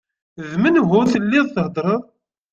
D menhu telliḍ theddreḍ?